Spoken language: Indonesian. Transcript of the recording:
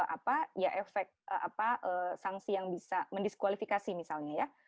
apa ya efek apa sanksi yang bisa mendiskualifikasi misalnya ya